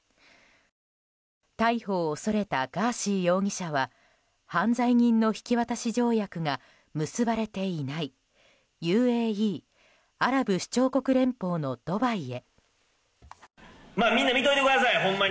逮捕を恐れたガーシー容疑者は犯罪人の引き渡し条約が結ばれていない、ＵＡＥ・アラブ首長国連邦のドバイへ。